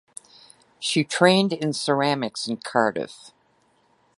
She trained in ceramics in Cardiff.